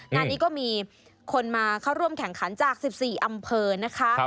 งานนี้ก็มีคนมาเข้าร่วมแข่งขันจาก๑๔อำเภอนะคะ